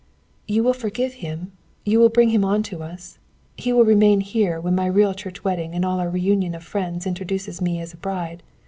"You will forgive him; you will bring him on to us; he will remain here when my real church wedding and all our reunion of friends introduces me as a bride.